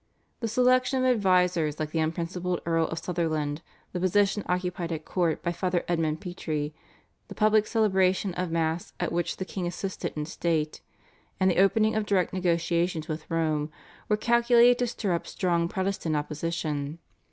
The selection of advisers like the unprincipled Earl of Sutherland, the position occupied at Court by Father Edmund Petre, the public celebration of Mass at which the king assisted in state, and the opening of direct negotiations with Rome, were calculated to stir up strong Protestant opposition.